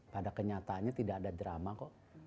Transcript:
pada kenyataannya tidak ada drama kok